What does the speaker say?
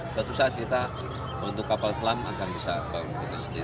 suatu saat kita untuk kapal selam akan bisa bangun itu sendiri